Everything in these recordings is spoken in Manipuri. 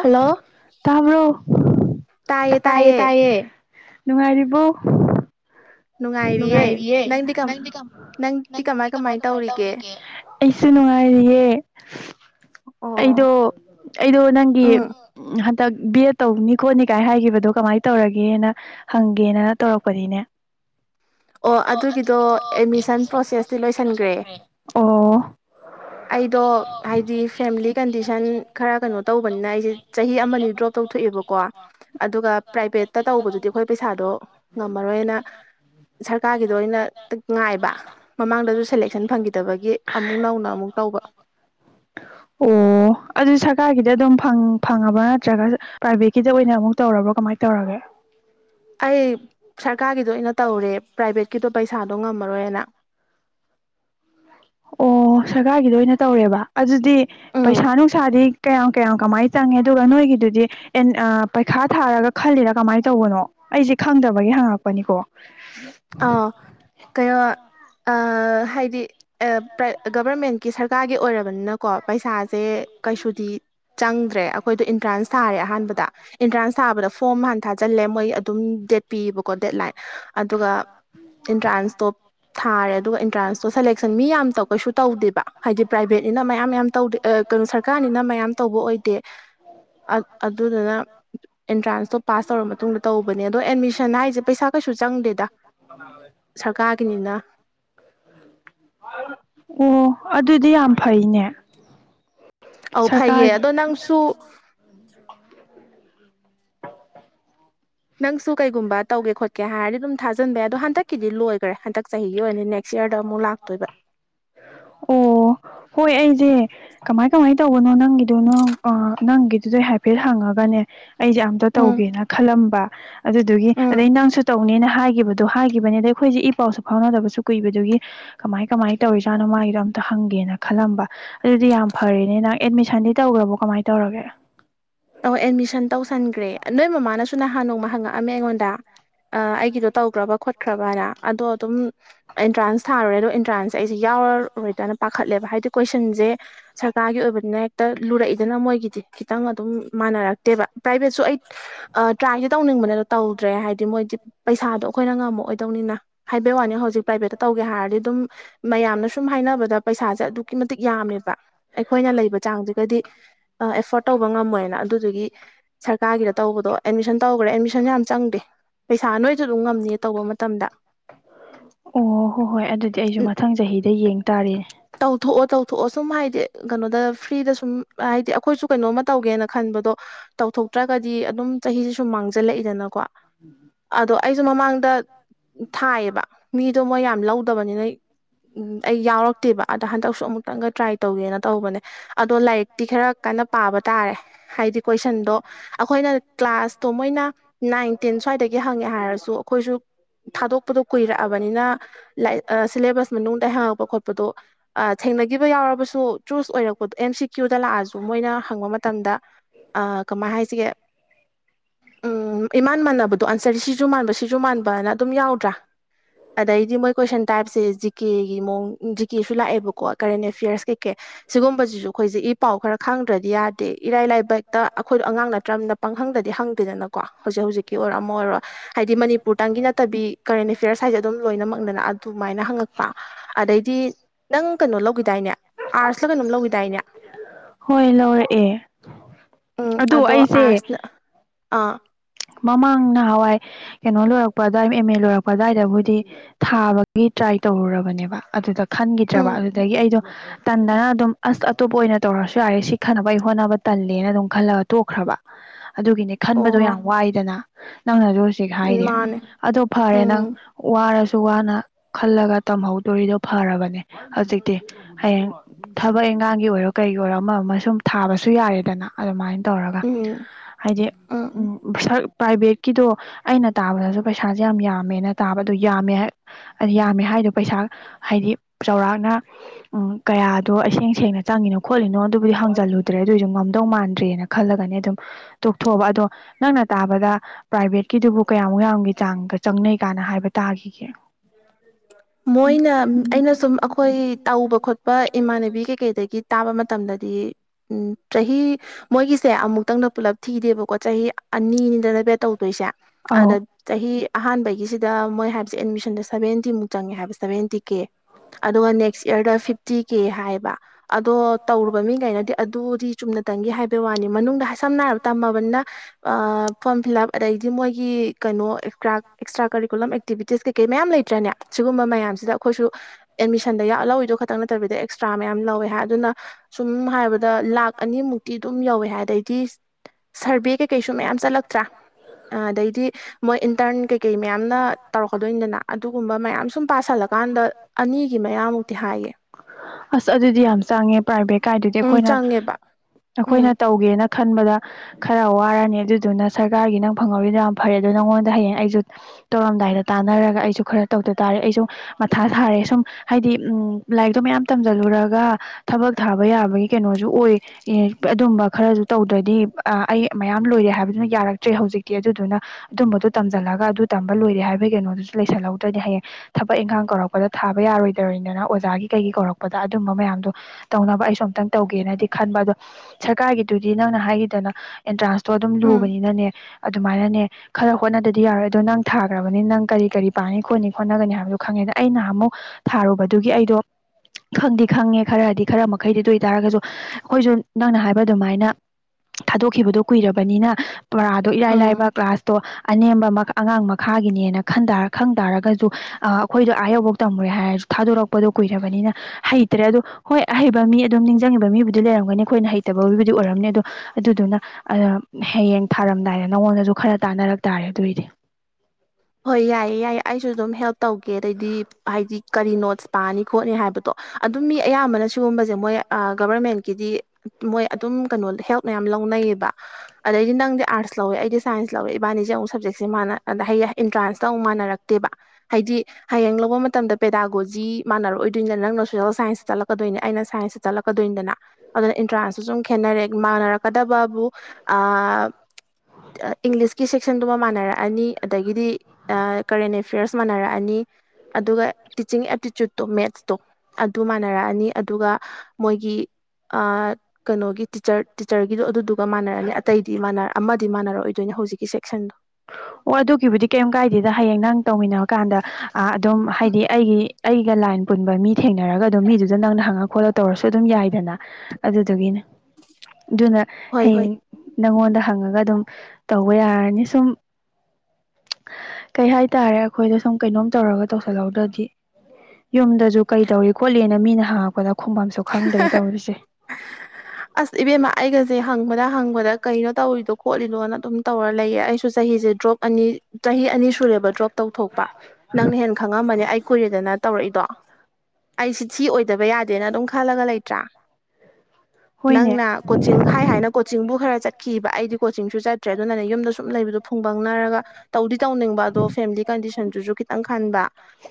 ꯍꯜꯂꯣ ꯇꯕ꯭ꯔꯣ ꯇꯥꯏꯌꯦ ꯇꯥꯏꯌꯦ ꯅꯨꯡꯉꯥꯏꯔꯤꯕꯣ ꯅꯨꯡꯉꯥꯏꯔꯤꯌꯦ ꯅꯪꯗꯤ ꯀꯝ ꯅꯪꯗꯤ ꯀꯃꯥꯏ ꯀꯃꯥꯏ ꯇꯧꯔꯤꯒꯦ ꯑꯩꯁꯨ ꯅꯨꯡꯉꯥꯏꯔꯤꯌꯦ ꯑꯣ ꯑꯩꯗꯣ ꯑꯩꯗꯣ ꯅꯪꯒꯤ ꯎꯝ ꯎꯝ ꯍꯟꯇꯛ ꯕꯤ ꯑꯦꯗ ꯇꯧꯅꯤ ꯈꯣꯠꯅꯤ ꯀꯥꯏ ꯍꯥꯏꯈꯤꯕꯗꯣ ꯀꯃꯥꯏꯅ ꯇꯧꯔꯒꯦꯅ ꯍꯪꯒꯦꯅ ꯇꯧꯔꯛꯄꯅꯤꯅꯦ ꯑꯣ ꯑꯗꯨꯒꯤꯗꯣ ꯑꯦꯠꯃꯤꯁꯟ ꯄ꯭ꯔꯣꯁꯦꯁꯇꯤ ꯂꯣꯏꯁꯟꯒ꯭ꯔꯦ ꯑꯣ ꯑꯩꯗꯣ ꯍꯥꯏꯗꯤ ꯐꯦꯃꯤꯂꯤ ꯀꯟꯗꯤꯁꯟ ꯈꯔ ꯀꯩꯅꯣ ꯇꯧꯕꯅꯤꯅ ꯑꯩꯖꯦ ꯆꯍꯤ ꯑꯃꯅꯤ ꯗ꯭ꯔꯣꯞ ꯇꯧꯊꯣꯛꯑꯦꯕꯀꯣ ꯑꯗꯨꯒ ꯄ꯭ꯔꯥꯏꯚꯦꯠꯇꯥ ꯇꯧꯕꯗꯨꯗꯤ ꯑꯈꯣꯏ ꯄꯩꯁꯥꯗꯣ ꯉꯝꯃꯔꯣꯏꯅ ꯁꯔꯀꯥꯔꯒꯤꯗ ꯑꯣꯏꯅ ꯉꯥꯏꯕ ꯃꯃꯥꯡꯗꯖꯨ ꯁꯦꯂꯦꯛꯁꯟ ꯐꯪꯒꯤꯗꯕꯒꯤ ꯑꯃꯨꯛ ꯅꯧꯅ ꯑꯃꯨꯛ ꯇꯧꯕ [inaudible] ꯑꯣ ꯑꯗꯨ ꯁꯔꯀꯥꯔꯒꯤꯗ ꯑꯗꯨꯝ ꯐꯪ ꯐꯪꯉꯕ꯭ꯔꯥ ꯅꯠꯇ꯭ꯔꯥꯒ ꯄ꯭ꯔꯥꯏꯚꯦꯠꯀꯤꯗ ꯑꯣꯏꯅ ꯑꯃꯨꯛ ꯇꯧꯔꯕ꯭ꯔꯣ ꯀꯃꯥꯏ ꯇꯧꯔꯒꯦ ꯑꯩ ꯁꯔꯀꯥꯔꯒꯤꯗ ꯑꯣꯏꯅ ꯇꯧꯔꯦ ꯄ꯭ꯔꯥꯏꯚꯦꯠꯀꯤꯗꯣ ꯄꯩꯁꯥꯗꯣ ꯉꯝꯃꯔꯣꯏꯅ ꯑꯣ ꯁꯔꯀꯥꯔꯒꯤꯗ ꯑꯣꯏꯅ ꯇꯧꯔꯦꯕ ꯑꯗꯨꯗꯤ ꯎꯝ ꯄꯩꯁꯥ ꯅꯨꯡꯁꯥꯗꯤ ꯀꯌꯥꯝ ꯀꯌꯥꯝ ꯀꯃꯥꯏꯟ ꯆꯪꯉꯦ ꯑꯗꯨꯒ ꯅꯣꯏꯒꯤꯗꯨꯗꯤ ꯑꯦꯟ ꯑꯥ ꯄꯩꯈꯥ ꯊꯥꯔꯒ ꯈꯜꯂꯤꯔꯥ ꯀꯃꯥꯏ ꯇꯧꯕꯅꯣ ꯑꯩꯖꯦ ꯈꯪꯗꯕꯒꯤ ꯍꯪꯉꯛꯄꯅꯤꯀꯣ [inaudible] ꯑꯥ ꯀꯩꯅꯣ ꯑꯥ ꯍꯥꯏꯗꯤ ꯑꯥ ꯄ꯭ꯔꯥꯏ ꯒꯕꯔꯃꯦꯟꯀꯤ ꯁꯔꯀꯥꯔꯒꯤ ꯑꯣꯏꯔꯕꯅꯤꯅꯀꯣ ꯄꯩꯁꯥꯖꯦ ꯀꯩꯁꯨꯗꯤ ꯆꯪꯗ꯭ꯔꯦ ꯑꯩꯈꯣꯏꯗꯣ ꯏꯟꯇ꯭ꯔꯥꯟꯁ ꯊꯥꯔꯦ ꯑꯍꯥꯟꯕꯗ ꯏꯟꯇ꯭ꯔꯥꯟꯁ ꯊꯥꯕꯗ ꯐꯣꯔꯝ ꯍꯥꯟꯅ ꯊꯥꯖꯤꯜꯂꯦ ꯃꯣꯏ ꯑꯗꯨꯝ ꯗꯦꯠ ꯄꯤꯌꯦꯕꯀꯣ ꯗꯦꯠ ꯂꯥꯏꯟ ꯑꯗꯨꯒ ꯏꯟꯇ꯭ꯔꯥꯟꯁꯇꯣꯞ ꯊꯥꯔꯦ ꯑꯗꯨꯒ ꯏꯟꯇ꯭ꯔꯥꯟꯁꯇꯣ ꯁꯦꯂꯦꯛꯁꯟ ꯃꯤ ꯌꯥꯝ ꯇꯧ ꯀꯩꯁꯨ ꯇꯧꯗꯦꯕ ꯍꯥꯏꯗꯤ ꯄ꯭ꯔꯥꯏꯚꯦꯠꯅꯤꯅ ꯃꯌꯥꯝ ꯃꯌꯥꯝ ꯇꯧꯗꯦ ꯑꯥ ꯀꯩꯅꯣ ꯁꯔꯀꯥꯔꯅꯤꯅ ꯃꯌꯥꯝ ꯇꯧꯕ ꯑꯣꯏꯗꯦ ꯑꯠ ꯑꯗꯨꯗꯨꯅ ꯏꯟꯇ꯭ꯔꯥꯟꯁꯇꯣ ꯄꯥꯁ ꯇꯧꯔ ꯃꯇꯨꯡꯗ ꯇꯧꯕꯅꯦ ꯑꯗꯣ ꯑꯦꯗꯃꯤꯁꯟ ꯍꯥꯏꯖꯦ ꯄꯩꯁꯥ ꯀꯩꯁꯨ ꯆꯪꯗꯦꯗ [inaudible] ꯁꯔꯀꯥꯔꯒꯤꯅꯤꯅ ꯑꯣ ꯑꯗꯨꯗꯤ ꯌꯥꯝ ꯐꯩꯅꯦ ꯑꯧ ꯐꯩꯌꯦ ꯁꯔꯀꯥꯔꯒꯤ ꯑꯗꯣ ꯅꯪꯁꯨ ꯅꯪꯁꯨ ꯀꯩꯒꯨꯝꯕ ꯇꯧꯒꯦ ꯈꯣꯠꯀꯦ ꯍꯥꯏꯔꯗꯤ ꯑꯗꯨꯝ ꯊꯥꯖꯟꯕ ꯌꯥ ꯑꯗꯣ ꯍꯟꯗꯛꯀꯤꯗꯤ ꯂꯣꯏꯒ꯭ꯔꯦ ꯍꯟꯗꯛ ꯆꯍꯤꯒꯤ ꯑꯣꯏꯅꯗꯤ ꯅꯦꯛꯁ ꯌꯔꯗ ꯑꯃꯨꯛ ꯂꯥꯛ ꯇꯣꯏꯕ ꯑꯣ ꯍꯣꯏ ꯑꯩꯖꯦ ꯀꯃꯥꯏ ꯀꯃꯥꯏ ꯇꯧꯕꯅꯣ ꯅꯪꯒꯤꯗꯨ ꯅꯣ ꯑꯥ ꯅꯪꯒꯤꯗꯨꯗꯩ ꯍꯥꯏꯐꯦꯠ ꯍꯪꯉꯒꯅꯦ ꯑꯩꯖꯦ ꯑꯝꯇꯥ ꯎꯝ ꯇꯧꯒꯦꯅ ꯈꯜꯂꯝꯕ ꯑꯗꯨꯗꯨꯒꯤ ꯎꯝ ꯑꯗꯩ ꯅꯪꯁꯨ ꯇꯧꯅꯦꯅ ꯍꯥꯏꯒꯤꯕꯗꯣ ꯍꯥꯏꯒꯤꯕꯅꯤ ꯑꯗꯩ ꯑꯩꯈꯣꯏꯖꯦ ꯏ ꯄꯥꯎꯁꯨ ꯐꯥꯎꯅꯗꯕꯁꯨ ꯀꯨꯏꯕꯗꯨꯒꯤ ꯀꯃꯥꯏ ꯀꯃꯥꯏ ꯇꯧꯔꯤꯖꯥꯠꯅꯣ ꯃꯥꯒꯤꯗꯣ ꯑꯝꯇꯥ ꯍꯪꯒꯦꯅ ꯈꯜꯂꯝꯕ ꯑꯗꯨꯗꯤ ꯌꯥꯝ ꯐꯔꯦꯅꯦ ꯅꯪ ꯑꯦꯗꯃꯤꯁꯟꯗꯤ ꯇꯧꯒ꯭ꯔꯥꯕꯣ ꯀꯃꯥꯏ ꯇꯧꯔꯒꯦ ꯑꯣ ꯑꯦꯗꯃꯤꯁꯟ ꯇꯧꯁꯟꯒ꯭ꯔꯦ ꯅꯣꯏ ꯃꯃꯥꯅꯁꯨ ꯅꯍꯥꯟ ꯅꯣꯡꯃ ꯍꯪꯉꯛꯑꯝꯃꯦ ꯑꯩꯉꯣꯟꯗ ꯑꯥ ꯑꯩ ꯒꯤꯗꯣ ꯇꯧꯒ꯭ꯔꯥꯕ ꯈꯣꯠꯈ꯭ꯔꯥꯕꯅ ꯑꯗꯣ ꯑꯗꯨꯝ ꯑꯦꯟꯇ꯭ꯔꯥꯟꯁ ꯊꯥꯔꯨꯔꯦ ꯑꯗꯨꯒ ꯑꯦꯟ꯭ꯔꯥꯟꯁꯁꯦ ꯑꯩꯖꯦ ꯌꯥꯎꯔ ꯔꯣꯏꯗ꯭ꯔꯥꯅ ꯄꯥꯈꯠꯂꯦꯕ ꯍꯥꯏꯗꯤ ꯀꯣꯏꯁꯟꯖꯦ ꯁꯔꯀꯥꯔꯒꯤ ꯑꯣꯏꯕꯅꯤꯅ ꯍꯦꯛꯇꯥ ꯂꯨꯔꯛꯏꯗꯅ ꯃꯣꯏꯒꯤꯗꯤ ꯈꯤꯇꯪ ꯑꯗꯨꯝ ꯃꯥꯟꯅꯔꯛ ꯇꯦꯕ ꯄ꯭ꯔꯥꯏꯚꯦꯠꯁꯨ ꯑꯩ ꯑꯥ ꯇ꯭ꯔꯥꯏꯗꯤ ꯇꯧꯅꯤꯡꯕꯅꯦ ꯑꯗꯣ ꯇꯧꯗ꯭ꯔꯦ ꯍꯥꯏꯗꯤ ꯃꯣꯏꯗꯤ ꯄꯩꯁꯥꯗꯣ ꯑꯈꯣꯏꯅ ꯉꯝꯃꯑꯣꯏꯗꯧꯅꯤꯅ ꯍꯥꯏꯕꯩ ꯋꯥꯅꯤ ꯍꯧꯖꯤꯛ ꯄ꯭ꯔꯥꯏꯚꯦꯠꯇꯥ ꯇꯧꯒꯦ ꯍꯥꯏꯔꯗꯤ ꯑꯗꯨꯝ ꯃꯌꯥꯝꯅ ꯁꯨꯝ ꯍꯥꯏꯅꯕꯗ ꯄꯩꯁꯥꯖꯦ ꯑꯗꯨꯛꯀꯤ ꯃꯇꯤꯛ ꯌꯥꯝꯃꯦꯕ ꯑꯩꯈꯣꯏꯅ ꯂꯩꯕ ꯆꯥꯡꯖꯤꯒꯗꯤ ꯑꯥ ꯑꯦꯐꯣꯔꯠ ꯇꯧꯕ ꯉꯝꯃꯣꯏꯅ ꯑꯗꯨꯗꯨꯒꯤ ꯁꯔꯀꯥꯔꯒꯤꯗ ꯇꯧꯕꯗꯣ ꯑꯦꯠꯃꯤꯁꯟ ꯇꯧꯒ꯭ꯔꯦ ꯑꯦꯗꯃꯤꯁꯟ ꯌꯥꯝ ꯆꯪꯗꯦ ꯄꯩꯁꯥ ꯅꯣꯏꯖꯨ ꯑꯗꯨꯝ ꯉꯝꯅꯤꯌꯦ ꯇꯧꯕ ꯃꯇꯝꯗ ꯑꯣ ꯍꯣꯏ ꯍꯣꯏ ꯑꯗꯨꯗꯤ ꯑꯩꯖꯨ ꯃꯊꯪ ꯆꯍꯤꯗ ꯌꯦꯡ ꯇꯥꯔꯦ ꯇꯧꯊꯣꯛꯑꯣ ꯇꯧꯊꯣꯛꯑꯣ ꯁꯨꯝ ꯍꯥꯏꯗꯤ ꯀꯩꯅꯣꯗ ꯐ꯭ꯔꯤꯗ ꯁꯨꯝ ꯍꯥꯏꯗꯤ ꯑꯩꯈꯣꯏꯁꯨ ꯀꯩꯅꯣꯝꯃ ꯇꯧꯒꯦꯅ ꯈꯟꯕꯗꯣ ꯇꯧꯊꯣꯛꯇ꯭ꯔꯒꯗꯤ ꯑꯗꯨꯝ ꯆꯍꯤꯖꯦ ꯁꯨꯝ ꯃꯥꯡꯖꯜꯂꯛꯏꯗꯅꯀꯣ ꯑꯗꯣ ꯑꯩꯖꯨ ꯃꯃꯥꯡꯗ ꯊꯥꯏꯑꯕ ꯃꯤꯗꯣ ꯃꯣꯏ ꯌꯥꯝ ꯂꯧꯗꯕꯅꯤꯅ ꯎꯝ ꯑꯩ ꯌꯥꯎꯔꯛ ꯑꯗ ꯍꯟꯗꯛꯁꯨ ꯑꯃꯨꯛꯇꯪꯒ ꯇ꯭ꯔꯥꯏ ꯇꯧꯒꯦꯅ ꯇꯧꯕꯅꯦ ꯑꯗꯣ ꯂꯥꯏꯔꯤꯛꯇꯤ ꯈꯔ ꯀꯟꯅ ꯄꯥꯕ ꯇꯥꯔꯦ ꯍꯥꯏꯗꯤ ꯀꯣꯏꯁꯟꯗꯣ ꯑꯩꯈꯣꯏꯅ ꯀ꯭ꯂꯥꯁꯇꯣ ꯃꯣꯏꯅ ꯅꯥꯏꯟ ꯇꯦꯟ ꯁ꯭ꯋꯥꯏꯗꯒꯤ ꯍꯪꯉꯦ ꯍꯥꯏꯔꯁꯨ ꯑꯩꯈꯣꯏꯁꯨ ꯊꯥꯗꯣꯛꯄꯗꯣ ꯀꯨꯏꯔꯛꯑꯕꯅꯤꯅ ꯂꯥꯏ ꯑ ꯁꯤꯂꯦꯕꯁ ꯃꯅꯨꯡꯗꯩ ꯍꯪꯉꯛꯄ ꯈꯣꯠꯄ ꯑꯗꯣ ꯊꯦꯡꯅꯈꯤꯕ ꯌꯥꯎꯔꯕꯁꯨ ꯆꯨꯁ ꯑꯣꯏꯔꯛꯄꯗꯣ ꯑꯦꯝ ꯁꯤ ꯀ꯭ꯌꯨꯗ ꯂꯥꯛꯑꯁꯨ ꯃꯣꯏꯅ ꯍꯪꯕ ꯃꯇꯝꯗ ꯑ ꯀꯃꯥꯏ ꯍꯥꯏꯁꯤꯒꯦ ꯎꯝ ꯏꯃꯥꯟ ꯃꯥꯟꯅꯕꯗꯣ ꯑꯟꯁꯔꯖꯤ ꯁꯤꯁꯨ ꯃꯥꯟꯕ ꯁꯤꯁꯨ ꯃꯥꯟꯕꯅ ꯑꯗꯨꯝ ꯌꯥꯎꯗ꯭ꯔꯥ ꯑꯗꯩꯗꯤ ꯃꯣꯏ ꯀꯣꯏꯁꯟ ꯇꯥꯏꯞꯁꯦ ꯖꯤ ꯀꯦꯒꯤ ꯃꯑꯣꯡ ꯖꯤꯀꯦꯁꯨ ꯂꯥꯛꯑꯦꯕꯀꯣ ꯀꯔꯦꯟ ꯑꯦꯐꯤꯌꯔꯁ ꯀꯩꯀꯩ ꯁꯤꯒꯨꯝꯕꯁꯤꯁꯨ ꯑꯩꯈꯣꯏꯁꯦ ꯏ ꯄꯥꯎ ꯈꯔ ꯈꯪꯗ꯭ꯔꯗꯤ ꯌꯥ ꯗꯦ ꯏꯔꯥꯏ ꯂꯥꯏꯕ ꯍꯦꯛꯇ ꯑꯩꯈꯣꯏꯗꯣ ꯑꯉꯥꯡ ꯅꯠꯇ꯭ꯔꯃꯤꯅ ꯄꯪꯍꯪꯗꯗꯤ ꯍꯪꯗꯦꯗꯅꯀꯣ ꯍꯧꯖꯤꯛ ꯍꯧꯖꯤꯛꯀꯤ ꯑꯣꯏꯔꯣ ꯑꯃ ꯑꯣꯏꯔꯣ ꯍꯥꯏꯗꯤ ꯃꯅꯤꯄꯨꯔꯇꯪꯒꯤ ꯅꯠꯇꯕꯤ ꯀꯔꯦꯟ ꯑꯦꯐꯤꯌꯔꯁ ꯍꯥꯏꯁꯦ ꯑꯗꯨꯝ ꯂꯣꯏꯅꯃꯛꯅꯤꯗꯅ ꯑꯗꯨꯃꯥꯏꯅ ꯍꯪꯉꯛꯄ ꯑꯗꯩ ꯗꯤ ꯅꯪ ꯀꯩꯅꯣ ꯂꯧꯒꯤꯗꯥꯏꯅꯦ ꯑꯥꯔꯠꯁꯂ ꯀꯩꯅꯣꯝ ꯂꯧꯒꯤꯗꯥꯏꯅꯦ ꯍꯣꯏ ꯂꯧꯔꯛꯑꯦ ꯎꯝ ꯑꯗꯣ ꯑꯥꯔꯠꯁꯅ ꯑꯥ ꯃꯃꯥꯡ ꯅꯍꯥꯟꯋꯥꯏ ꯀꯩꯅꯣ ꯂꯣꯏꯔꯛꯄ ꯑꯗꯨꯋꯥꯏ ꯑꯦꯝ ꯑꯦ ꯂꯣꯏꯔꯛꯄ ꯑꯗꯨꯋꯥꯏꯗꯕꯨꯗꯤ ꯊꯥꯕꯒꯤ ꯇ꯭ꯔꯥꯏ ꯇꯧꯔꯨꯔꯕꯅꯦꯕ ꯑꯗꯨꯗ ꯈꯟꯒꯤꯗ꯭ꯔꯕ ꯎꯝ ꯑꯗꯨꯗꯒꯤ ꯑꯩꯗꯣ ꯇꯟꯗꯅ ꯑꯗꯨꯝ ꯑꯁ ꯑꯇꯣꯞꯄ ꯑꯣꯏꯅ ꯇꯧꯔꯁꯨ ꯌꯥꯔꯦ ꯁꯤ ꯈꯟꯅꯕ ꯑꯩ ꯍꯣꯠꯅꯕ ꯇꯜꯂꯦꯅ ꯑꯗꯨꯝ ꯈꯜꯂꯒ ꯇꯣꯛꯈ꯭ꯔꯕ ꯑꯗꯨꯒꯤꯅꯤ ꯈꯟꯕꯗꯣ ꯑꯣ ꯌꯥꯝ ꯋꯥꯏꯗꯅ ꯅꯪꯅꯁꯨ ꯍꯧꯖꯤꯛ ꯎꯝ ꯍꯥꯏꯔꯦ ꯃꯥꯅꯦ ꯑꯗꯣ ꯐꯔꯦ ꯅꯪ ꯎꯝ ꯋꯥꯔꯁꯨ ꯋꯥꯅ ꯈꯜꯂꯒ ꯇꯝꯍꯧꯗꯣꯔꯤꯗꯣ ꯐꯔꯕꯅꯦ ꯍꯧꯖꯤꯛꯇꯤ ꯍꯌꯦꯡ ꯊꯕꯛ ꯏꯟꯈꯥꯡꯒꯤ ꯑꯣꯏꯔꯣ ꯀꯩꯒꯤ ꯑꯣꯏꯔꯣ ꯑꯃ ꯑꯃ ꯁꯨꯝ ꯊꯥꯕꯁꯨ ꯌꯥꯔꯦꯗꯅ ꯑꯗꯨꯃꯥꯏꯅ ꯇꯧꯔꯒ ꯎꯝ ꯍꯥꯏꯗꯤ ꯎꯝ ꯄ꯭ꯔꯥꯏꯚꯦꯠꯀꯤꯗꯣ ꯑꯩꯅ ꯇꯥꯕꯗꯁꯨ ꯄꯩꯁꯥꯖꯦ ꯌꯥꯝ ꯌꯥꯝꯃꯦꯅ ꯇꯥꯕ ꯑꯗꯣ ꯌꯥꯝꯃꯦꯍꯦ ꯌꯥꯝꯃꯦ ꯍꯥꯏꯗꯣ ꯄꯩꯁꯥ ꯍꯥꯏꯗꯤ ꯆꯥꯎꯔꯥꯛꯅ ꯎꯝ ꯀꯌꯥꯗꯣ ꯏꯁꯦꯡ ꯁꯦꯡꯅ ꯆꯪꯉꯤꯅꯣ ꯈꯣꯠꯂꯤꯅꯣ ꯑꯗꯨꯕꯨꯗꯤ ꯍꯥꯡꯖꯜꯂꯨꯗ꯭ꯔꯦ ꯑꯗꯨꯑꯣꯏꯖꯨ ꯉꯝꯗꯧ ꯃꯥꯟꯗ꯭ꯔꯦꯅ ꯈꯜꯂꯒꯅꯦ ꯑꯗꯨꯝ ꯇꯣꯛꯊꯣꯛꯑꯕ ꯑꯗꯣ ꯅꯪꯅ ꯇꯥꯕꯗ ꯄ꯭ꯔꯥꯏꯚꯦꯠ ꯀꯤꯗꯨꯕꯨ ꯀꯌꯥꯃꯨꯛ ꯌꯥꯝꯒꯤ ꯆꯥꯡꯒ ꯆꯪꯅꯩ ꯀꯥꯏꯅ ꯍꯥꯏꯕ ꯇꯥꯈꯤꯒꯦ ꯃꯣꯏꯅ ꯑꯩꯅ ꯁꯨꯝ ꯑꯩꯈꯣꯏ ꯇꯧꯕ ꯈꯣꯠꯄ ꯏꯃꯥꯟꯅꯕꯤ ꯀꯩꯀꯩꯗꯒꯤ ꯇꯥꯕ ꯃꯇꯝꯗꯗꯤ ꯎꯝ ꯆꯍꯤ ꯃꯣꯏꯒꯤꯁꯦ ꯑꯃꯨꯛꯇꯪꯗ ꯄꯨꯂꯞ ꯊꯤꯗꯦꯕꯀꯣ ꯆꯍꯤ ꯑꯅꯤꯅꯤꯗꯅ ꯕꯦꯠ ꯇꯧꯗꯣꯏꯁꯦ ꯑꯗ ꯑꯧ ꯆꯍꯤ ꯑꯍꯥꯟꯕꯒꯤꯁꯤ ꯗ ꯃꯣꯏ ꯍꯥꯏꯕꯁꯦ ꯑꯦꯠꯃꯤꯁꯟꯗ ꯁꯦꯚꯦꯟꯇꯤꯃꯨꯛ ꯆꯪꯉꯦ ꯍꯥꯏꯕ ꯁꯦꯚꯦꯟꯇꯤ ꯀꯦ ꯑꯗꯨꯒ ꯅꯦꯛꯁ ꯏꯌꯔꯗ ꯐꯤꯞ ꯇꯤ ꯀꯦ ꯍꯥꯏꯌꯦꯕ ꯑꯗꯣ ꯇꯧꯔꯨꯕ ꯃꯤꯒꯩꯅꯗꯤ ꯑꯗꯨꯗꯤ ꯆꯨꯝꯅ ꯇꯪꯒꯦ ꯍꯥꯏꯕꯩ ꯋꯥꯅꯤ ꯃꯅꯨꯡꯗ ꯁꯝꯅ ꯍꯥꯏꯔꯕꯗ ꯇꯝꯃꯕꯅꯤꯅ ꯑ ꯐꯣꯝ ꯐꯤꯂꯞ ꯃꯣꯏꯒꯤ ꯀꯩꯅꯣ ꯑꯦꯛꯀ꯭ꯔꯥ ꯑꯦꯛꯁꯇ꯭ꯔꯥ ꯀꯔꯤꯀꯨꯂꯝ ꯑꯦꯛꯇꯤꯕꯤꯇꯤꯁ ꯀꯩꯀꯩ ꯃꯌꯥꯝ ꯂꯩꯇ꯭ꯔꯥꯅꯦ ꯁꯤꯒꯨꯝꯕ ꯃꯌꯥꯝꯁꯤꯗ ꯑꯩꯈꯣꯏꯁꯨ ꯑꯦꯠꯃꯤꯁꯟꯗ ꯂꯧꯏꯗꯣ ꯈꯛꯇꯪ ꯅꯠꯇꯕꯤꯗ ꯑꯦꯛꯁꯇ꯭ꯔꯥ ꯃꯌꯥꯝ ꯂꯧꯏ ꯍꯥꯏ ꯑꯗꯨꯅ ꯁꯨꯝ ꯍꯥꯏꯕꯗ ꯂꯥꯛ ꯑꯅꯤꯃꯨꯛꯇꯤ ꯑꯗꯨꯝ ꯌꯧꯋꯦ ꯍꯥꯏ ꯑꯗꯩꯗꯤ ꯁꯔꯚꯦ ꯀꯩ ꯀꯩꯁꯨ ꯃꯌꯥꯝ ꯆꯠꯂꯛꯇ꯭ꯔꯥ ꯑ ꯑꯗꯩꯗꯤ ꯃꯣꯏ ꯏꯟꯇꯔꯟ ꯀꯩꯀꯩ ꯃꯌꯥꯝꯅ ꯇꯧꯔꯛꯀꯗꯣꯏꯅꯤꯗꯅ ꯑꯗꯨꯒꯨꯝꯕ ꯃꯌꯥꯝ ꯁꯨꯝ ꯄꯥꯁꯜꯂꯀꯥꯟꯗ ꯑꯅꯤꯒꯤ ꯃꯌꯥꯃꯨꯛꯇꯤ ꯍꯥꯏꯌꯦ ꯑꯁ ꯑꯗꯨꯗꯤ ꯌꯥꯝ ꯆꯪꯉꯦ ꯄ꯭ꯔꯥꯏꯚꯦꯠ ꯀꯥꯏꯗꯨꯗꯤ ꯎꯝ ꯑꯈꯣꯏꯅ ꯆꯪꯉꯦꯕ ꯑꯈꯣꯏꯅ ꯎꯝ ꯇꯧꯒꯦꯅ ꯈꯟꯕꯗ ꯈꯔ ꯋꯥꯔꯅꯤ ꯑꯗꯨꯗꯨꯅ ꯁꯔꯀꯥꯔꯒꯤ ꯅꯪ ꯐꯪꯍꯧꯔꯤꯗꯨ ꯌꯥꯝ ꯐꯔꯦ ꯑꯗꯨ ꯅꯪꯉꯣꯟꯗ ꯍꯌꯦꯡ ꯑꯩꯖꯨ ꯇꯧꯔꯝꯗꯥꯏꯗ ꯇꯥꯟꯅꯔꯒ ꯑꯩꯁꯨ ꯈꯔ ꯇꯧꯗ ꯇꯥꯔꯦ ꯑꯩꯁꯨ ꯃꯊꯥ ꯁꯥꯔꯦ ꯁꯨꯝ ꯍꯥꯏꯗꯤ ꯎꯝ ꯂꯥꯏꯔꯤꯛꯇꯣ ꯃꯌꯥꯝ ꯇꯝꯖꯜꯂꯨꯔꯒ ꯊꯕꯛ ꯊꯥꯕ ꯌꯥꯕꯒꯤ ꯀꯩꯅꯣꯖꯨ ꯑꯣꯏ ꯌꯦ ꯑꯗꯨꯝꯕ ꯈꯔꯖꯨ ꯇꯧꯗ꯭ꯔꯗꯤ ꯑ ꯑꯩ ꯃꯌꯥꯝ ꯂꯣꯏꯔꯦ ꯍꯥꯏꯕꯗꯨꯅ ꯌꯥꯔꯛꯇ꯭ꯔꯦ ꯍꯧꯖꯤꯛꯇꯤ ꯑꯗꯨꯗꯨꯅ ꯑꯗꯨꯝꯕꯗꯨ ꯇꯝꯖꯜꯂꯒ ꯑꯗꯨ ꯇꯝꯕ ꯂꯣꯏꯔꯦ ꯍꯥꯏꯕꯒꯤ ꯀꯩꯅꯣꯗꯨꯁꯨ ꯂꯩꯁꯜꯍꯧꯗ꯭ꯔꯗꯤ ꯍꯌꯦꯡ ꯊꯕꯛ ꯏꯪꯈꯥꯡ ꯀꯧꯔꯛꯄꯗ ꯊꯥꯕ ꯌꯥꯔꯣꯏꯗꯔꯤꯟꯗꯅ ꯑꯣꯖꯥꯒꯤ ꯀꯩꯒꯤ ꯀꯧꯔꯛꯄꯗ ꯑꯗꯨꯝꯕ ꯃꯌꯥꯝꯗꯣ ꯇꯧꯅꯕ ꯑꯩꯁꯨ ꯑꯝꯇꯪ ꯇꯧꯒꯦꯅꯗꯤ ꯈꯟꯕ ꯑꯗꯣ ꯁꯔꯀꯥꯔꯒꯤꯗꯨꯗꯤ ꯅꯪꯅ ꯍꯥꯏꯒꯤꯗꯅ ꯑꯦꯟꯇ꯭ꯔꯥꯟꯁꯇꯣ ꯑꯗꯨꯝ ꯎꯝ ꯂꯨꯕꯅꯤꯅꯅꯦ ꯑꯗꯨꯃꯥꯏꯅꯅꯦ ꯈꯔ ꯍꯣꯠꯅꯗꯗꯤ ꯌꯥꯔꯣꯏ ꯑꯗꯣ ꯅꯪ ꯊꯥꯒ꯭ꯔꯕꯅꯤ ꯅꯪ ꯀꯔꯤ ꯀꯔꯤ ꯄꯥꯅꯤ ꯈꯣꯠꯅꯤ ꯈꯣꯠꯅꯒꯅꯤ ꯍꯥꯏꯕꯗꯨ ꯈꯪꯉꯦꯗ ꯑꯩ ꯅꯍꯥꯃꯨꯛ ꯊꯥꯔꯨꯕꯗꯨꯒꯤ ꯑꯩꯗꯣ ꯈꯪꯗꯤ ꯈꯪꯉꯦ ꯈꯔꯗꯤ ꯈꯔ ꯃꯈꯩꯗꯤ ꯑꯗꯨꯏ ꯇꯥꯔꯒꯁꯨ ꯑꯩꯈꯣꯏꯖꯨ ꯅꯪꯅ ꯍꯥꯏꯕ ꯑꯗꯨꯃꯥꯏꯅ ꯊꯥꯗꯣꯛꯈꯤꯕꯗꯣ ꯀꯨꯏꯔꯕꯅꯤꯅ ꯄꯔꯥꯗꯣ ꯏꯔꯥꯏ ꯎꯝ ꯂꯥꯏꯕ ꯀ꯭ꯂꯥꯁꯇꯣ ꯑꯅꯦꯝꯕ ꯃ ꯑꯉꯥꯡ ꯃꯈꯥꯒꯤꯅꯦꯅ ꯈꯟꯇꯔ ꯈꯪ ꯇꯥꯔꯒꯖꯨ ꯑ ꯑꯈꯣꯏꯗꯣ ꯑꯥꯌ ꯌꯧꯕꯧ ꯇꯝꯃꯨꯔꯦ ꯍꯥꯏꯔꯁꯨ ꯊꯥꯗꯣꯔꯛꯄꯗꯣ ꯀꯨꯏꯔꯕꯅꯤꯅ ꯍꯩꯇꯔꯦ ꯑꯗꯨ ꯍꯣꯏ ꯑꯍꯩꯕ ꯃꯤ ꯑꯗꯨꯝ ꯅꯤꯡꯖꯪꯉꯕ ꯃꯤꯕꯨꯗꯤ ꯂꯩꯔꯝꯒꯅꯤ ꯑꯈꯣꯏꯅ ꯍꯩꯇꯕꯒꯤꯕꯨꯗꯤ ꯑꯣꯏꯔꯝꯅꯤ ꯑꯗꯣ ꯑꯗꯨꯗꯨꯅ ꯑꯔꯝ ꯍꯌꯦꯡ ꯊꯥꯔꯝꯗꯥꯏꯗ ꯅꯉꯣꯟꯗꯁꯨ ꯈꯔ ꯇꯥꯟꯅꯔꯛ ꯇꯥꯔꯦ ꯑꯗꯨꯑꯣꯏꯗꯤ ꯍꯣꯏ ꯌꯥꯏꯌꯦ ꯌꯥꯏꯌꯦ ꯑꯩꯁꯨ ꯑꯗꯨꯝ ꯍꯦꯜꯞ ꯇꯧꯒꯦ ꯑꯗꯩꯗꯤ ꯍꯥꯏꯗꯤ ꯀꯔꯤ ꯅꯣꯠꯁ ꯄꯥꯅꯤ ꯈꯣꯠꯅꯤ ꯍꯥꯏꯕ ꯇꯣ ꯑꯗꯨꯝ ꯃꯤ ꯑꯌꯥꯝꯕꯅ ꯁꯨꯒꯨꯝꯕꯖꯦ ꯃꯣꯏ ꯑ ꯒꯣꯕꯔꯃꯦꯟꯀꯤꯗꯤ ꯃꯣꯏ ꯑꯗꯨꯝ ꯀꯅꯣ ꯍꯦꯜꯞ ꯃꯌꯥꯝ ꯂꯧꯅꯩꯌꯦꯕ ꯑꯗꯩꯗꯤ ꯅꯪꯗꯤꯥ ꯑꯔꯠꯁ ꯂꯧꯋꯦ ꯑꯩꯗꯤ ꯁꯥꯏꯁ ꯂꯧꯋꯦ ꯏꯕꯥꯅꯤꯖꯦ ꯑꯃꯨꯛ ꯁꯞꯖꯦꯛꯖꯦꯝ ꯃꯥꯅ ꯑ ꯍꯩꯌꯦ ꯍꯩ ꯏꯟꯇ꯭ꯔꯥꯟꯁꯀ ꯑꯃꯨꯛ ꯃꯥꯟꯅꯔꯛꯇꯦꯕ ꯍꯥꯏꯗꯤ ꯍꯌꯦꯡ ꯂꯧꯕ ꯃꯇꯝꯗ ꯄꯦꯗꯥꯒꯣꯖꯤ ꯃꯥꯟꯅꯔꯛꯑꯣꯏꯗꯨꯏꯅꯤꯅ ꯅꯪꯅ ꯁꯣꯁꯦꯜ ꯁꯥꯏꯟꯁꯇ ꯆꯠꯂꯛꯀꯗꯣꯏꯅꯤ ꯑꯩꯅ ꯁꯟꯁꯇ ꯆꯠꯂꯛꯀꯗꯣꯏꯅꯤꯗꯅ ꯑꯗꯨꯅ ꯏꯟꯇ꯭ꯔꯥꯟꯁꯁꯨ ꯁꯨꯝ ꯈꯦꯠꯅꯔꯦ ꯃꯥꯟꯅꯔꯛꯀꯗꯕꯕꯨ ꯑꯥ.. ꯏꯪꯂꯤꯁꯀꯤ ꯁꯦꯛꯁꯟꯗꯨꯃ ꯃꯥꯟꯅꯔꯛꯑꯅꯤ ꯑꯗ ꯏ ꯑ ꯀꯔꯦꯟ ꯑꯦꯐꯤꯌꯔꯁ ꯃꯥꯟꯅꯔꯛꯑꯅꯤ ꯑꯗꯨꯒ ꯇꯤꯆꯤꯡ ꯑꯦꯞꯇꯤꯆꯨꯠꯇꯣ ꯃꯦꯠꯁꯇꯣ ꯑꯗꯨ ꯃꯥꯟꯅꯔꯛꯑꯅꯤ ꯑꯗꯨꯒ ꯃꯣꯏꯒꯤ ꯑ.. ꯀꯅꯣꯒꯤ ꯇꯤꯆꯔ ꯇꯤꯆꯔꯒꯤꯗꯣ ꯑꯗꯨꯗꯨꯒ ꯃꯥꯟꯅꯔꯅꯤ ꯑꯇꯩꯗꯤ ꯃꯥꯟꯅꯔ ꯑꯃꯗꯤ ꯃꯥꯟꯅꯔꯛꯑꯣꯏꯗꯣꯏꯅꯦ ꯍꯧꯖꯤꯛꯀꯤ ꯁꯦꯛꯁꯟꯗꯣ ꯑꯣ ꯑꯗꯨꯒꯤꯕꯨꯗꯤ ꯀꯩꯝ ꯀꯥꯏꯗꯦꯗ ꯍꯌꯦꯡ ꯅꯪ ꯇꯧꯃꯤꯟꯅꯕ ꯀꯥꯟꯗ ꯑ ꯑꯗꯨꯝ ꯍꯥꯏꯗꯤ ꯑꯩꯒꯤ ꯑꯩꯒ ꯂꯥꯏꯟ ꯄꯨꯟꯕ ꯃꯤ ꯊꯦꯡꯅꯔꯒ ꯑꯗꯨꯝ ꯃꯤꯗꯨꯗ ꯅꯪꯅ ꯍꯪꯉ ꯈꯣꯠꯂ ꯇꯧꯔꯁꯨ ꯑꯗꯨꯝ ꯌꯥꯏꯗꯅ ꯑꯗꯨꯗꯨꯒꯤꯅꯦ ꯑꯗꯨꯅ ꯍꯣꯏ ꯍꯣꯏ ꯍꯌꯦꯡ ꯅꯪꯉꯣꯟꯗ ꯍꯪꯉꯒ ꯑꯗꯨꯝ ꯇꯧꯕ ꯌꯥꯔꯅꯤ ꯁꯨꯝ ꯀꯩ ꯍꯥꯏꯇꯥꯔꯦ ꯑꯈꯣꯏꯗꯣ ꯁꯨꯝ ꯀꯩꯅꯣꯝ ꯇꯧꯔꯒ ꯇꯧꯁꯜꯍꯧꯗ꯭ꯔꯗꯤ ꯌꯨꯝꯗꯁꯨ ꯀꯩ ꯇꯧꯔꯤ ꯈꯣꯠꯂꯤꯅ ꯃꯤꯅ ꯍꯥꯡꯉꯛꯄꯗ ꯈꯨꯝꯕꯝꯁꯨ ꯈꯪꯗ꯭ꯔꯦ ꯇꯧꯔꯤꯁꯦ ꯑꯁ ꯏꯕꯦꯝꯃ ꯑꯩꯒꯁꯦ ꯍꯪꯕꯗ ꯍꯪꯕꯗ ꯀꯩꯅꯣ ꯇꯧꯔꯤꯗꯣ ꯈꯣꯠꯂꯤꯗꯣꯅ ꯑꯗꯨꯝ ꯇꯧꯔ ꯂꯩꯌꯦ ꯑꯩꯁꯨ ꯆꯍꯤꯖꯦ ꯗ꯭ꯔꯣꯞ ꯑꯅꯤ ꯆꯍꯤ ꯑꯅꯤ ꯁꯨꯔꯦꯕ ꯗ꯭ꯔꯣꯞ ꯇꯧꯊꯣꯛꯄ ꯅꯪꯅ ꯍꯦ ꯈꯪꯉꯝꯅꯦ ꯑꯩ ꯀꯨꯏꯔꯦꯗꯅ ꯇꯧꯔꯛꯏꯗꯣ ꯑꯩꯁꯤꯠ ꯁꯤ ꯑꯣꯏꯗꯕ ꯌꯥꯗꯦꯅ ꯑꯗꯨꯝ ꯈꯜꯂꯒ ꯂꯩꯇ꯭ꯔꯥ ꯍꯣꯏꯅꯦ ꯅꯪꯅ ꯀꯣꯆꯤꯡ ꯍꯥꯏ ꯍꯥꯏꯅ ꯀꯣꯆꯤꯡꯕꯨ ꯈꯔ ꯆꯠꯈꯤꯕ ꯑꯩꯗꯤ ꯀꯣꯆꯤꯡꯁꯨ ꯆꯠꯇ꯭ꯔꯦ ꯑꯗꯨꯅꯅꯦ ꯌꯨꯝꯗ ꯁꯨꯝ ꯂꯩꯕꯗꯣ ꯐꯨꯡꯕꯪꯅꯔꯒ ꯇꯧꯗꯤ ꯇꯧꯅꯤꯡꯕ ꯑꯗꯣ ꯐꯦꯝꯂꯤ ꯀꯟꯗꯤꯁꯟꯗꯨꯁꯨ ꯈꯤꯇꯪ ꯈꯟꯕ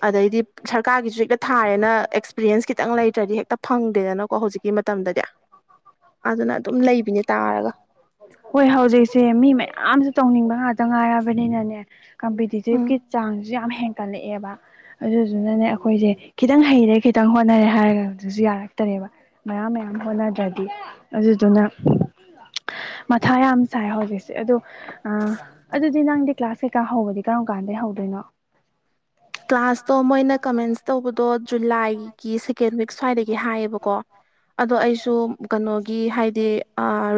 ꯑꯗꯩꯗꯤ ꯁꯔꯀꯥꯔꯒꯤꯁꯨ ꯍꯦꯛꯇ ꯊꯥꯔꯦꯅ ꯑꯦꯛꯁꯄꯤꯔꯤꯌꯦꯟꯁ ꯈꯤꯇꯪ ꯂꯩꯇ꯭ꯔꯗꯤ ꯍꯦꯛꯇ ꯐꯪꯗꯦꯗꯅꯀꯣ ꯍꯧꯖꯤꯛ ꯒꯤ ꯃꯇꯝꯗꯗꯤ ꯑꯗꯨꯅ ꯑꯗꯨꯝ ꯂꯩꯕꯤꯅꯦ ꯇꯥꯔꯒ ꯍꯣꯏ ꯍꯧꯖꯤꯛꯁꯦ ꯃꯤ ꯃꯌꯥꯝꯁꯨ ꯇꯧꯅꯤꯡꯕ ꯉꯥꯛꯇ ꯉꯥꯏꯔꯕꯅꯤꯅꯅꯦ ꯎꯝ ꯀꯝꯄꯤꯇꯤꯇꯤꯞꯀꯤ ꯆꯥꯡꯁꯨ ꯌꯥꯝ ꯍꯦꯟꯀꯠꯂꯛꯑꯦꯕ ꯑꯗꯨꯗꯨꯅꯅꯦ ꯑꯩꯈꯣꯏꯁꯦ ꯈꯤꯇꯪ ꯍꯩꯔꯦ ꯈꯤꯇꯪ ꯍꯣꯠꯅꯔꯦ ꯍꯥꯏꯔꯒꯗꯨꯁꯨ ꯌꯥꯔꯛꯇꯔꯦꯕ ꯃꯌꯥꯝ ꯃꯌꯥꯝ ꯍꯣꯠꯅꯗ꯭ꯔꯗꯤ ꯑꯗꯨꯗꯨꯅ ꯃꯊꯥ ꯌꯥꯝ ꯁꯥꯏ ꯍꯧꯖꯤꯛꯁꯦ ꯑꯗꯣ ꯑꯥ ꯑꯗꯨꯗꯤ ꯅꯪꯗꯤ ꯀ꯭ꯂꯥꯁ ꯀꯩꯀꯥ ꯍꯧꯕꯗꯤ ꯀꯔꯝ ꯀꯥꯟꯗꯩ ꯍꯧꯗꯣꯏꯅꯣ ꯀ꯭ꯂꯥꯁꯇꯣ ꯃꯣꯏꯅ ꯀꯃꯦꯟꯁ ꯇꯧꯕꯗꯣ ꯖꯨꯂꯥꯏꯒꯤ ꯁꯦꯀꯦꯟ ꯋꯤꯛ ꯁ꯭ꯋꯥꯏꯗꯒꯤ ꯍꯥꯏꯌꯦꯕꯀꯣ ꯑꯗꯣ ꯑꯩꯁꯨ ꯀꯩꯅꯣꯒꯤ ꯍꯥꯏꯗꯤ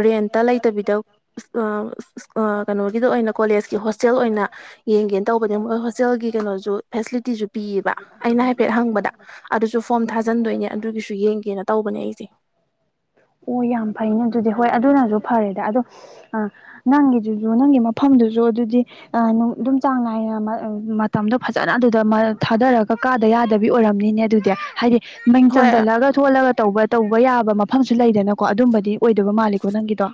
ꯔꯦꯟ ꯇ ꯂꯩꯇꯕꯤꯗ ꯢꯁ ꯑ ꯢꯁ ꯑ ꯀꯩꯅꯣꯒꯤꯗ ꯑꯣꯏꯅ ꯀꯣꯂꯦꯖꯀꯤ ꯍꯣꯁꯇꯦꯜ ꯑꯣꯏꯅ ꯌꯦꯡꯒꯦꯅ ꯇꯧꯕꯅꯦ ꯃꯣꯏ ꯍꯣꯁꯇꯦꯜꯒꯤ ꯀꯩꯅꯣꯁꯨ ꯐꯦꯁꯤꯂꯤꯇꯤꯁꯨ ꯄꯤꯌꯦꯕ ꯑꯩꯅ ꯍꯥꯏꯐꯦꯠ ꯍꯪꯕꯗ ꯑꯗꯨꯁꯨ ꯐꯣꯝ ꯊꯥꯖꯟꯗꯣꯏꯅꯦ ꯑꯗꯨꯒꯤꯁꯨ ꯌꯦꯡꯒꯦꯅ ꯇꯧꯕꯅꯦ ꯑꯩꯁꯦ ꯑꯣ ꯌꯥꯝ ꯐꯩꯅꯦ ꯑꯗꯨꯗꯤ ꯍꯣꯏ ꯑꯗꯨꯅꯁꯨ ꯐꯔꯦꯗ ꯑꯗꯣ ꯑ ꯅꯪꯒꯤꯗꯨꯁꯨ ꯅꯪꯒꯤ ꯃꯐꯝꯗꯨꯁꯨ ꯑꯗꯨꯗꯤ ꯑ ꯑꯗꯨꯝ ꯆꯥꯡ ꯅꯥꯏꯅ ꯃꯇꯝꯗꯣ ꯐꯖꯅ ꯑꯗꯨꯗ ꯊꯥꯗꯔꯒ ꯀꯥꯗ ꯌꯥꯗꯕꯤ ꯑꯣꯏꯔꯝꯅꯤꯅꯦ ꯑꯗꯨꯗꯤ ꯍꯥꯏꯗꯤ ꯃꯤꯡ ꯍꯣꯏ ꯆꯟꯖꯜꯂꯒ ꯁꯣꯜꯂꯒ ꯇꯧꯕ ꯇꯧꯕ ꯌꯥꯕ ꯃꯐꯝꯁꯨ ꯂꯩꯗꯅꯀꯣ ꯑꯗꯨꯝꯕꯗꯤ ꯑꯣꯏꯗꯕ ꯃꯥꯜꯂꯤꯀꯣ ꯅꯪꯒꯤꯗꯣ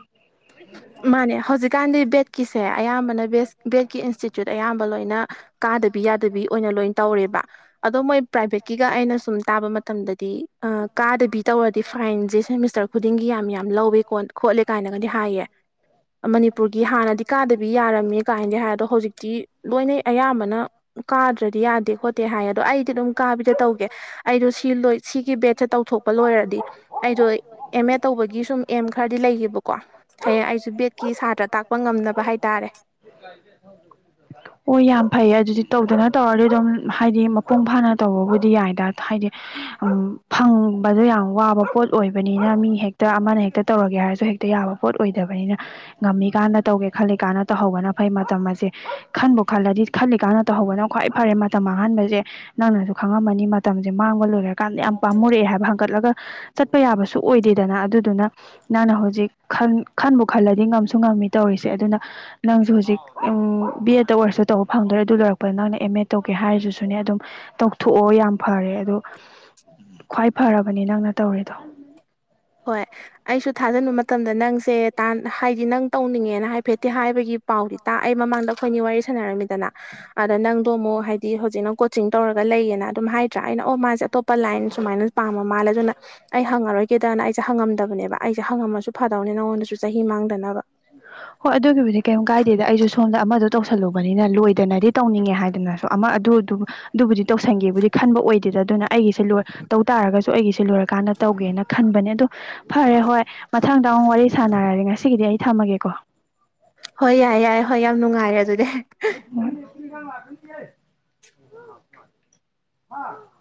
ꯃꯥꯅꯦ ꯍꯧꯖꯤꯛꯀꯥꯟꯗꯤ ꯕꯦꯠꯀꯤꯁꯦ ꯑꯌꯥꯝꯕꯅ ꯕꯦꯁ ꯕꯦꯠꯀꯤ ꯏꯟꯁꯇꯤꯇ꯭ꯌꯨꯠ ꯑꯌꯥꯝꯕ ꯂꯣꯏꯅ ꯀꯥꯗꯕꯤ ꯌꯥꯗꯕꯤ ꯑꯣꯏꯅ ꯂꯣꯏꯅ ꯇꯧꯔꯦꯕ ꯑꯗꯣ ꯃꯣꯏ ꯄ꯭ꯔꯥꯏꯚꯦꯠꯀꯤꯒ ꯑꯩꯅ ꯁꯨꯝ ꯇꯥꯕ ꯃꯇꯝꯗꯗꯤ ꯑ ꯀꯥꯗꯕꯤ ꯇꯧꯔꯗꯤ ꯐꯥꯏꯟꯁꯦ ꯁꯦꯃꯤꯁꯇꯔ ꯈꯨꯗꯤꯡꯒꯤ ꯌꯥꯝ ꯌꯥꯝ ꯂꯧꯋꯦ ꯈꯣꯠꯂꯦ ꯀꯥꯏꯅꯒꯗꯤ ꯍꯥꯏꯌꯦ ꯃꯅꯤꯄꯨꯔꯒꯤ ꯍꯥꯟꯅꯗꯤ ꯀꯥꯗꯕꯤ ꯌꯥꯔꯝꯃꯦ ꯀꯥꯏꯅꯗꯤ ꯍꯥꯏꯗꯣ ꯍꯧꯖꯤꯛꯇꯤ ꯂꯣꯏꯅ ꯑꯌꯥꯝꯕꯅ ꯀꯥꯗ꯭ꯔꯗꯤ ꯌꯥꯗꯦ ꯈꯣꯠꯇꯦ ꯍꯥꯏ ꯑꯗꯣ ꯑꯩꯗꯤ ꯑꯗꯨꯝ ꯀꯥꯕꯤꯗ ꯇꯧꯒꯦ ꯑꯩꯗꯣ ꯁꯤ ꯂꯣꯏ ꯁꯤꯒꯤ ꯕꯦꯠꯁꯦ ꯇꯧꯊꯣꯛ ꯄ ꯂꯣꯏꯔꯗꯤ ꯑꯩꯗꯣ ꯑꯦꯝ ꯑꯦ ꯇꯧꯕꯒꯤ ꯁꯨꯝ ꯑꯦꯝ ꯈꯔꯗꯤ ꯂꯩꯌꯦꯕꯀꯣ ꯍꯌꯦꯡ ꯑꯩꯁꯨ ꯕꯦꯠꯀꯤ ꯁꯥꯇ꯭ꯔ ꯇꯥꯛꯄ ꯉꯝꯅꯕ ꯍꯥꯏꯇꯥꯔꯦ ꯥ [unintelligible] [unintelligible] ꯑꯣ ꯌꯥꯝ ꯐꯩꯌꯦ ꯑꯗꯨꯗꯤ ꯇꯧꯗꯅ ꯇꯧꯔꯗꯤ ꯑꯗꯨꯝ ꯍꯥꯏꯗꯤ ꯃꯄꯨꯡ ꯐꯥꯅ ꯇꯧꯕꯕꯨꯗꯤ ꯌꯥꯏꯗ ꯍꯥꯏꯗꯤ ꯎꯝ ꯐꯪꯕꯗꯨ ꯌꯥꯝ ꯋꯥꯕ ꯄꯣꯠ ꯑꯣꯏꯕꯅꯤꯅ ꯃꯤ ꯍꯦꯛꯇ ꯑꯃꯅ ꯍꯦꯛꯇ ꯇꯧꯔꯒꯦ ꯍꯥꯏꯔꯁꯨ ꯍꯦꯛꯇ ꯇ ꯌꯥꯕ ꯄꯣꯠ ꯑꯣꯏꯗꯕꯅꯤꯅ ꯉꯝꯃꯤꯀꯥꯟꯗ ꯇꯧꯒꯦ ꯈꯜꯂꯤꯀꯥꯟꯅ ꯇꯧꯍꯧꯕꯅ ꯐꯩ ꯃꯇꯝ ꯑꯁꯦ ꯈꯟꯕꯨ ꯈꯜꯂꯗꯤ ꯈꯜꯂꯤꯀꯥꯟꯅ ꯇꯧꯍꯧꯕꯅ ꯈ꯭ꯋꯥꯏ ꯐꯔꯦ ꯃꯇꯝ ꯃꯥꯡꯍꯟꯕꯁꯦ ꯅꯪꯅꯁꯨ ꯈꯪꯉꯝꯃꯅꯤ ꯃꯇꯝꯁꯦ ꯃꯥꯡꯕ ꯂꯣꯏꯔ ꯀꯥꯟꯗ ꯌꯥꯝ ꯄꯥꯝꯃꯨꯔꯛꯑꯦ ꯍꯥꯏꯕ ꯍꯪꯒꯠꯂꯒ ꯆꯠꯄ ꯌꯥꯕꯁꯨ ꯑꯣꯏꯗꯦꯗꯅ ꯑꯗꯨꯗꯨꯅ ꯅꯪꯅ ꯍꯧꯖꯤꯛ ꯈꯟꯕꯨ ꯈꯜꯂꯗꯤ ꯉꯝ ꯉꯝꯃꯤ ꯇꯧꯔꯤꯁꯦ ꯑꯗꯨꯅ ꯅꯪꯁꯨ ꯍꯧꯖꯤꯛ ꯕꯤ ꯑꯦꯗꯠꯇ ꯑꯣꯔꯁꯁꯨ ꯇꯧꯕ ꯐꯪꯗꯣꯔꯦ ꯑꯗꯨ ꯂꯣꯏꯔꯛꯄꯗ ꯅꯪꯅ ꯑꯦꯝ ꯑꯦꯗ ꯇꯧꯒꯦ ꯍꯥꯏꯔꯤꯗꯨꯁꯨꯅꯦ ꯑꯗꯨꯝ ꯇꯧꯊꯣꯛꯑꯣ ꯌꯥꯝ ꯐꯔꯦ ꯑꯗꯣ ꯈ꯭ꯋꯥꯏ ꯐꯔꯕꯅꯤ ꯅꯪꯅ ꯇꯧꯔꯤꯗꯣ ꯍꯣꯏ ꯑꯩꯁꯨ ꯊꯥꯖꯤꯟꯕ ꯃꯇꯝꯗ ꯅꯪꯁꯦ ꯇꯥꯟ ꯍꯥꯏꯗꯤ ꯅꯪ ꯇꯧꯅꯤꯡꯉꯦꯅ ꯍꯥꯏꯐꯦꯠꯇꯦ ꯍꯥꯏꯕꯒꯤ ꯄꯥꯎꯗꯤ ꯇꯥꯛꯑꯦ ꯃꯃꯥꯡꯗ ꯑꯩꯈꯣꯏꯅꯤ ꯋꯥꯔꯤ ꯁꯥꯟꯅꯔꯝꯃꯤꯗꯅ ꯑꯗ ꯅꯪꯗꯣ ꯑꯃꯨꯛ ꯍꯥꯏꯗꯤ ꯍꯧꯖꯤꯛꯅ ꯀꯣ ꯆꯤꯡ ꯇꯧꯔꯒ ꯂꯩꯌꯦꯅ ꯑꯗꯨꯝ ꯍꯥꯏꯗ꯭ꯔꯥ ꯑꯩꯅ ꯑꯣ ꯃꯥꯁꯦ ꯑꯇꯣꯞꯄ ꯂꯥꯏꯟ ꯁꯨꯃꯥꯏꯅ ꯄꯥꯝꯕ ꯃꯥꯜꯂꯦ ꯑꯗꯨꯅ ꯑꯩ ꯍꯪꯉꯔꯣꯏꯒꯦꯗꯅ ꯑꯩꯁꯦ ꯍꯪꯉꯝꯗꯕꯅꯦꯕ ꯑꯩꯁꯦ ꯍꯪꯉꯝꯃꯁꯨ ꯐꯗꯧꯅꯦ ꯅꯪꯉꯣꯟꯗꯁꯨ ꯆꯍꯤ ꯃꯥꯡꯗꯅꯕ ꯍꯣꯏ ꯑꯗꯨꯒꯤꯕꯨꯗꯤ ꯀꯩꯝ ꯀꯥꯏꯗꯦꯗ ꯑꯩꯁꯨ ꯁꯣꯝꯗ ꯑꯃꯗꯣ ꯇꯧꯁꯜꯂꯨꯕꯅꯤꯅ ꯂꯣꯏꯗꯅꯗꯤ ꯇꯧꯅꯤꯡꯉꯦ ꯍꯥꯏꯗꯅꯁ ꯑꯃ ꯑꯗꯨ ꯑꯗꯨꯕꯨꯗꯤ ꯇꯧꯁꯟꯒꯦꯕꯨꯗꯤ ꯈꯟꯕ ꯑꯣꯏꯗꯦꯗ ꯑꯗꯨꯅ ꯑꯩꯒꯤꯁꯦ ꯂꯣꯏ ꯇꯧ ꯇꯥꯔꯒꯁꯨ ꯑꯩꯒꯤꯁꯦ ꯂꯣꯏꯔꯀꯥꯟꯗ ꯇꯧꯒꯦꯅ ꯈꯟꯕꯅꯦ ꯑꯗꯣ ꯐꯔꯦ ꯍꯣꯏ ꯃꯊꯪꯗ ꯑꯃꯨꯛ ꯋꯥꯔꯤ ꯁꯥꯟꯅꯔꯒꯦ ꯉꯁꯤꯒꯤꯗꯤ ꯑꯩ ꯊꯝꯃꯒꯦꯀꯣ ꯍꯣꯏ ꯌꯥꯏ ꯌꯥꯏ ꯍꯣꯏ ꯌꯥꯝ ꯅꯨꯡꯉꯥꯏꯔꯦ ꯑꯗꯨꯗꯤ [unintelligible]